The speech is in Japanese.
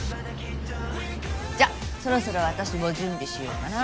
じゃそろそろ私も準備しようかな。